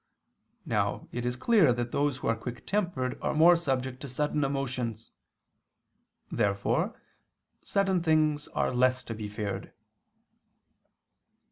Now it is clear that those who are quick tempered are more subject to sudden emotions. Therefore sudden things are less to be feared.